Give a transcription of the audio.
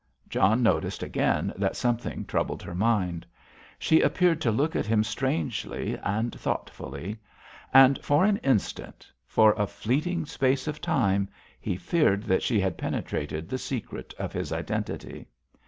John noticed again that something troubled her mind. She appeared to look at him strangely and thoughtfully. And, for an instant, for a fleeting space of time, he feared that she had penetrated the secret of his identity.